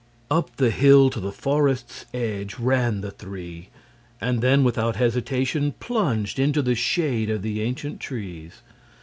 Up the hill to the forest's edge ran the three, and then without hesitation plunged into the shade of the ancient trees.